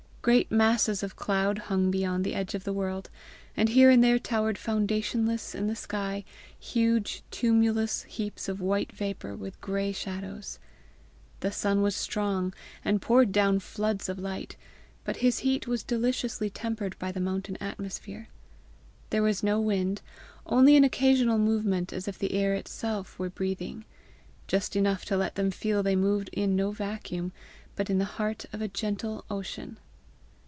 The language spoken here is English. Great masses of cloud hung beyond the edge of the world, and here and there towered foundationless in the sky huge tumulous heaps of white vapour with gray shadows. The sun was strong, and poured down floods of light, but his heat was deliciously tempered by the mountain atmosphere. There was no wind only an occasional movement as if the air itself were breathing just enough to let them feel they moved in no vacuum, but in the heart of a gentle ocean.